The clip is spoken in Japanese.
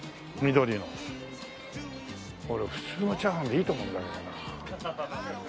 俺普通のチャーハンでいいと思うんだけどなあ。